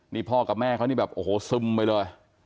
นี่พ่อกับแม่เขานี่แบบโอ้โหซึมไปเลย